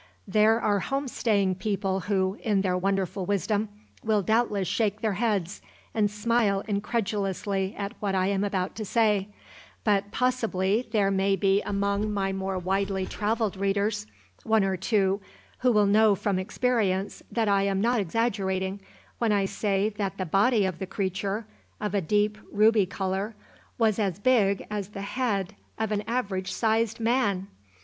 There are home staying people who, in their wonderful wisdom, will doubtless shake their heads and smile incredulously at what I am about to say, but possibly there may be among my more widely travelled readers one or two who will know, from experience, that I am not exaggerating when I say that the body of the creature of a deep ruby colour was as big as the head of an average sized man!